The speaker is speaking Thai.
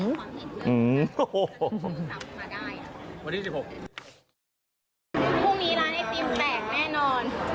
พรุ่งนี้ร้านไอติมแตกแน่นอน